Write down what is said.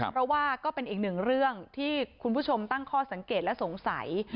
เพราะว่าก็เป็นอีกหนึ่งเรื่องที่คุณผู้ชมตั้งข้อสังเกตและสงสัย